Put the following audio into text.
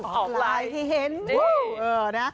ออกลายให้เห็น